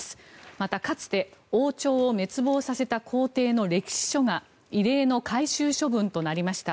また、かつて王朝を滅亡させた皇帝の歴史書が異例の回収処分となりました。